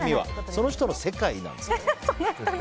その人の世界なんです。